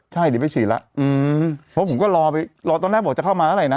ใช่เดี๋ยวไปฉีดล่ะอืมเพราะผมก็รอไปรอตอนแรกบอกจะเข้ามาอะไรน่ะ